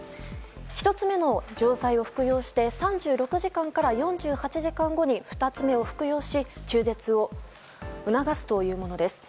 １つ目の錠剤を服用して３６時間から４８時間後に２つ目を服用し中絶を促すというものです。